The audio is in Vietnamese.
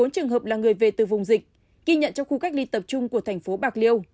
bốn trường hợp là người về từ vùng dịch ghi nhận trong khu cách ly tập trung của thành phố bạc liêu